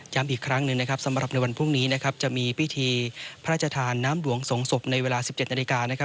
อีกครั้งหนึ่งนะครับสำหรับในวันพรุ่งนี้จะมีพิธีพระราชทานน้ำหลวงส่งศพในเวลา๑๗นาฬิกานะครับ